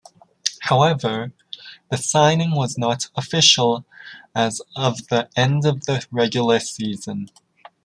However, the signing was not official as of the end of the regular season.